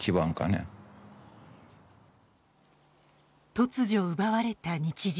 突如奪われた日常